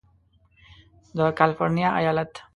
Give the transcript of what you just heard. د کالفرنیا ایالت